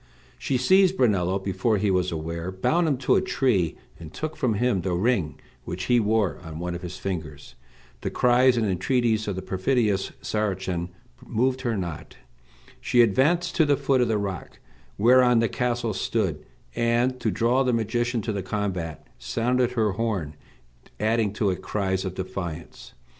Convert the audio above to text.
She seized Brunello before he was aware, bound him to a tree, and took from him the ring which he wore on one of his fingers. The cries and entreaties of the perfidious Saracen moved her not. She advanced to the foot of the rock whereon the castle stood, and, to draw the magician to the combat, sounded her horn, adding to it cries of defiance.